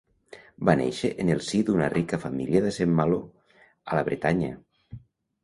Va néixer en el si d'una rica família de Saint-Malo, a la Bretanya.